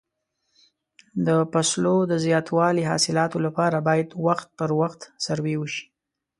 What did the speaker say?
د فصلو د زیاتو حاصلاتو لپاره باید وخت پر وخت سروې وشي.